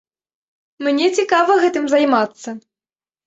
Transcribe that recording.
Мне цікава гэтым займацца.